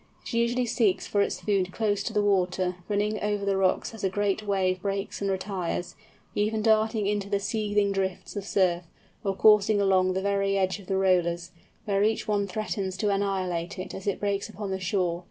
It usually seeks for its food close to the water, running over the rocks as each great wave breaks and retires, even darting into the seething drifts of surf, or coursing along the very edge of the rollers, where each one threatens to annihilate it as it breaks upon the shore.